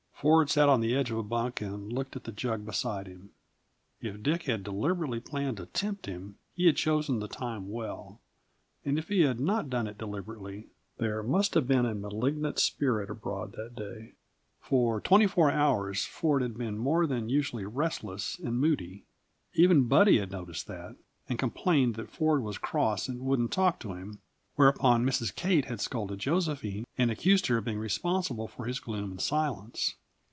Ford sat on the edge of a bunk and looked at the jug beside him. If Dick had deliberately planned to tempt him, he had chosen the time well; and if he had not done it deliberately, there must have been a malignant spirit abroad that day. For twenty four hours Ford had been more than usually restless and moody. Even Buddy had noticed that, and complained that Ford was cross and wouldn't talk to him; whereupon Mrs. Kate had scolded Josephine and accused her of being responsible for his gloom and silence.